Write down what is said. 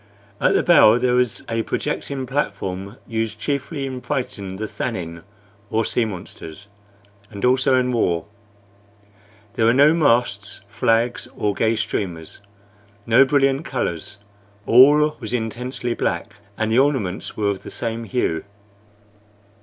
At the bow there was a projecting platform, used chiefly in fighting the thannin, or sea monsters, and also in war. There were no masts or flags or gay streamers; no brilliant colors; all was intensely black, and the ornaments were of the same hue.